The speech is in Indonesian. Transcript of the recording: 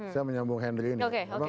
saya menyambung henry ini